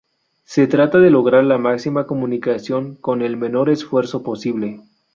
Se trata de lograr la máxima comunicación con el menor esfuerzo posible.